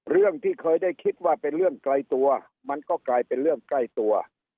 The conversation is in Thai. เรื่องที่เคยได้คิดว่าเป็นเรื่องไกลตัวมันก็กลายเป็นเรื่องใกล้ตัว